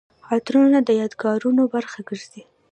عطرونه د یادګارونو برخه ګرځي.